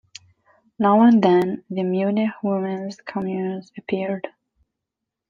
Now and then, the Munich women's communes appeared.